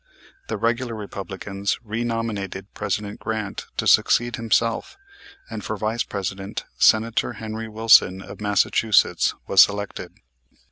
The regular Republicans renominated President Grant to succeed himself, and for Vice President, Senator Henry Wilson, of Massachusetts, was selected.